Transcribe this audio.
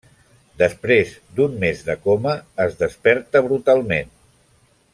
Després d'un mes de coma, es desperta brutalment.